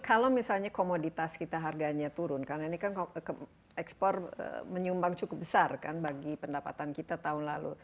kalau misalnya komoditas kita harganya turun karena ini kan ekspor menyumbang cukup besar kan bagi pendapatan kita tahun lalu